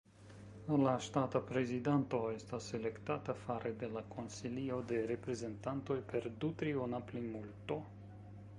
La ŝtata prezidanto estas elektata fare de la Konsilio de Reprezentantoj per du-triona plimulto.